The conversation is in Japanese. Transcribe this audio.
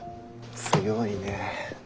強いね。